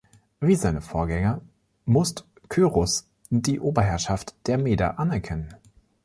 Wie seine Vorgänger musst Kyrus die Oberherrschaft der Meder anerkennen.